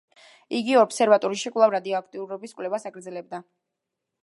იგი ობსერვატორიაში კვლავ რადიოაქტიურობის კვლევას აგრძელებდა.